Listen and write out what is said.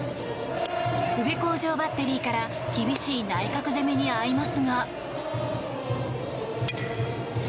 宇部鴻城バッテリーから厳しい内角攻めに遭いますが。